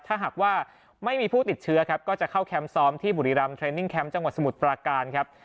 ถ้าหากว่าไม่มีผู้ติดเชื้อครับก็จะเข้าแคมป์ซ้อมที่บุรีรำเทรนนิ่งแคมป์จังหวัดสมุทรปราการครับ